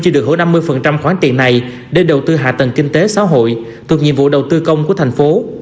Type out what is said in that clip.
chưa được hưởng năm mươi khoản tiền này để đầu tư hạ tầng kinh tế xã hội thuộc nhiệm vụ đầu tư công của thành phố